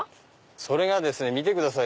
それがですね見てください。